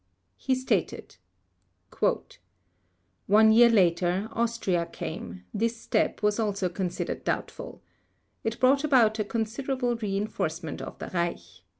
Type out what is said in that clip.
He stated: "One year later, Austria came; this step also was considered doubtful. It brought about a considerable reinforcement of the Reich.